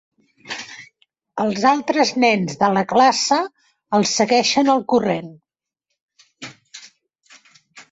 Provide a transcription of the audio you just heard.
Els altres nens de la classe els segueixen el corrent.